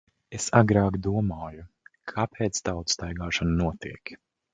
Es agrāk domāju - kāpēc tautu staigāšana notiek.